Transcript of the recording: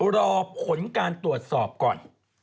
รอผลการตรวจสอบก่อน